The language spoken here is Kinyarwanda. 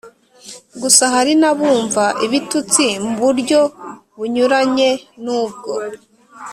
gusa, hari n’abumva ibitutsi mu buryo bunyuranye n’ubwo,